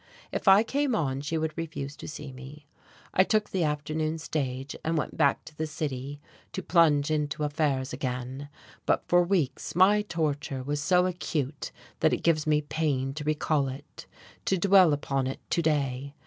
If I came on, she would refuse to see me. I took the afternoon stage and went back to the city, to plunge into affairs again; but for weeks my torture was so acute that it gives me pain to recall it, to dwell upon it to day....